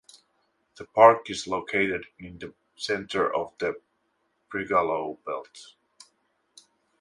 The park is located in the centre of the Brigalow Belt.